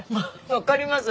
わかります。